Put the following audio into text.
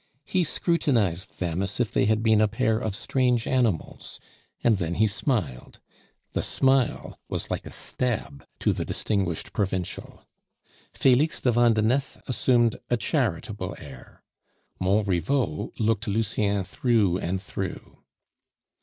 He scrutinized them as if they had been a pair of strange animals, and then he smiled. The smile was like a stab to the distinguished provincial. Felix de Vandenesse assumed a charitable air. Montriveau looked Lucien through and through.